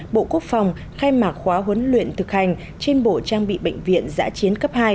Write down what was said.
bộ quốc phòng khai mạc khóa huấn luyện thực hành trên bộ trang bị bệnh viện giã chiến cấp hai